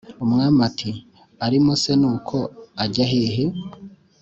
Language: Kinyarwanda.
umwami ati"arimo se nuko ajyahehe?"